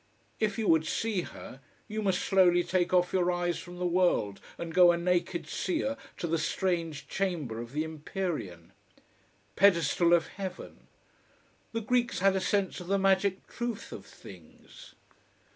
If you would see her, you must slowly take off your eyes from the world and go a naked seer to the strange chamber of the empyrean. Pedestal of heaven! The Greeks had a sense of the magic truth of things.